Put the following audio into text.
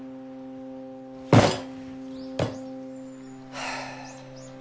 はあ。